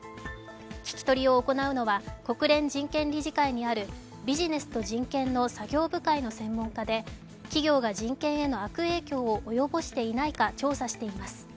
聞き取りを行うのは国連人権理事会にあるビジネスと人権の作業部会の専門家で企業が人権への悪影響を及ぼしていないか調査しています。